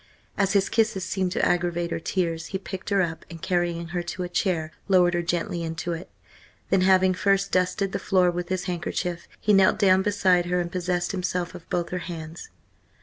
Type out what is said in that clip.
As his kisses seemed to aggravate her tears, he picked her up, and carrying her to a chair, lowered her gently into it. Then, having first dusted the floor with his handkerchief, he knelt down beside her and possessed himself of both her hands.